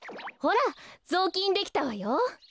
ほらぞうきんできたわよ。